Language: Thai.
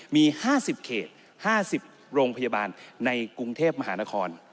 มี๕๐เขต๕๐โรงพยาบาลในกรุงเทพมหานคร